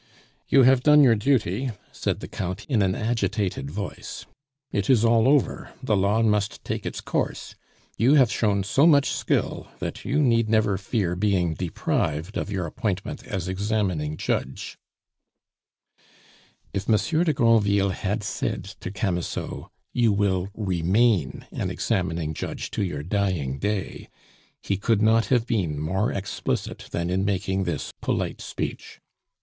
"You have done your duty," said the Count in an agitated voice. "It is all over. The law must take its course. You have shown so much skill, that you need never fear being deprived of your appointment as examining judge " If Monsieur de Granville had said to Camusot, "You will remain an examining judge to your dying day," he could not have been more explicit than in making this polite speech.